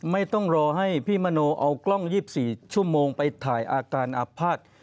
ไม่ต้องรอให้พี่มโนเอากล้อง๒๔ชั่วโมงไปถ่ายอาการอาภาษณ์